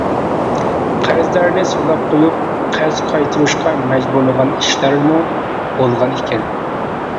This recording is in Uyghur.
قەرزدارنى سولاپ قويۇپ قەرز قايتۇرۇشقا مەجبۇرلىغان ئىشلارمۇ بولغان ئىكەن.